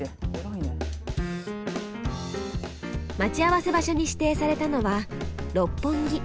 待ち合わせ場所に指定されたのは六本木。